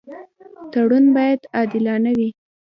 تړون باید عادلانه وي.